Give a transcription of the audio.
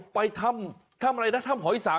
ไปถ้ำถ้ำอะไรนะถ้ำหอยสัง